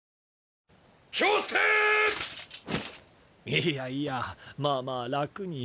いやいやまあまあ楽に。